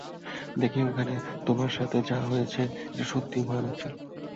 দেখো, ওখানে তোমার সাথে যা হয়েছে, এটা সত্যি ভয়ানক ছিল।